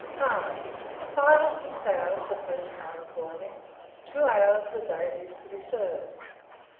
Time. 5 or 6 hours the first time of boiling; 2 hours the day it is to be served.